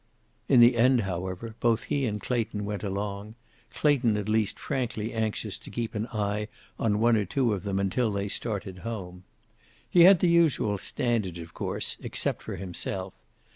In the end, however, both he and Clayton went along, Clayton at least frankly anxious to keep an eye on one or two of them until they started home. He had the usual standards, of course, except for himself.